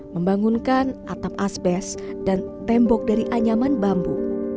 membangunkan atap asbes dan tembok dari anyaman bambu